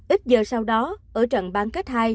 ít giờ sau đó ở trận bán kết hai